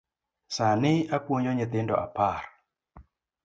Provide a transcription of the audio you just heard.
Sani apuonjo nyithindo apar.